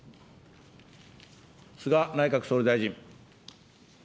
菅内閣総理大臣。